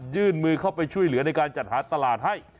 ยื่นมือเข้าไปช่วยเหลือในการจัดหาตลาดให้